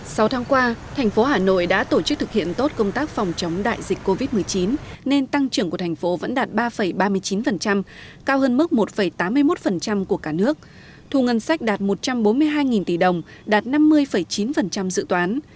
sau tháng qua thành phố hà nội đã tổ chức thực hiện tốt công tác phòng chống đại dịch covid một mươi chín nên tăng trưởng của thành phố vẫn đạt ba ba mươi chín cao hơn mức một tám mươi một của cả nước thu ngân sách đạt một trăm bốn mươi hai tỷ đồng đạt năm mươi chín dự toán